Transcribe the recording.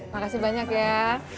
makasih banyak ya